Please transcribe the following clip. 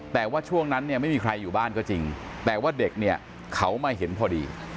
แต่ว่าช่วงนั้นเนี่ยไม่มีใครอยู่บ้านก็จริงแต่ว่าเด็กเนี่ยเขามาเห็นพอดี